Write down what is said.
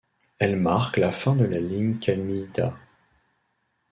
Elle marque la fin de la ligne Kamiiida.